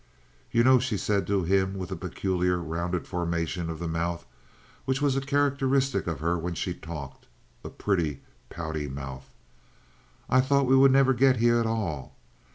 "You know," she said to him, with a peculiar rounded formation of the mouth, which was a characteristic of her when she talked—a pretty, pouty mouth, "I thought we would never get heah at all.